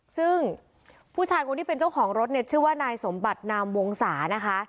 ซึ่งผู้ชายคนที่เป็นเจ้าของรถเนี่ยชื่อว่านายสมบัตินามวงศานะคะ